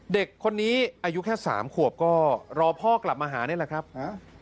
เด็กคนนี้อายุแค่สามขวบก็รอพ่อกลับมาหานี่แหละครับ